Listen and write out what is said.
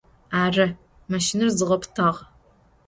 Arı, mışşinır zğapıtağ.